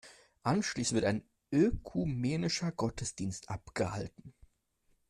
Anschließend wird ein ökumenischer Gottesdienst abgehalten.